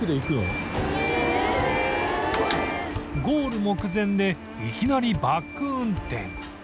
ゴール目前でいきなりバック運転